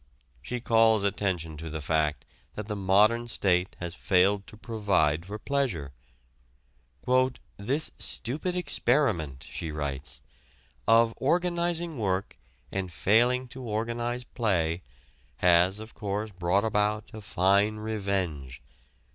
She calls attention to the fact that the modern state has failed to provide for pleasure. "This stupid experiment," she writes, "of organizing work and failing to organize play has, of course, brought about a fine revenge.